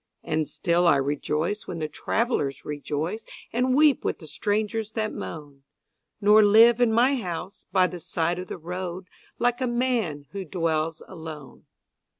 And still I rejoice when the travelers rejoice And weep with the strangers that moan, Nor live in my house by the side of the road Like a man who dwells alone.